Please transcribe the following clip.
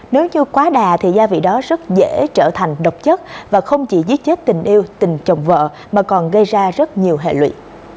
nếu như quá đà thì gia vị đó rất dễ trở thành độc chất và không chỉ giết chết tình yêu tình chồng vợ mà còn gây ra rất nhiều hệ lụy